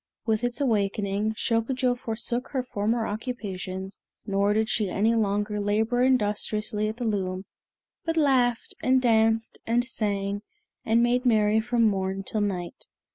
With its awakening, Shokujo forsook her former occupations, nor did she any longer labor industriously at the loom, but laughed, and danced, and sang, and made merry from morn till night.